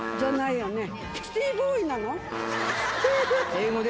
英語で。